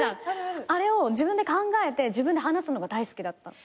あれを自分で考えて自分で話すのが大好きだった。